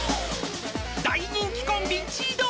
［大人気コンビ千鳥！］